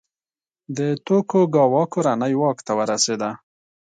د توکوګاوا کورنۍ واک ته ورسېده.